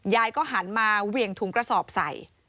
ยายก็หันมาเหวี่ยงถุงกระสอบใส่